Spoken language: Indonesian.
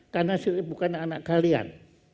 karena saya bukan anak kalian